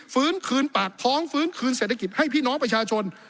ฟื้นคืนปากท้องฟื้นคืนเศรษฐกิจให้พี่น้องประชาชน